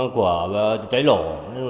của cháy nổ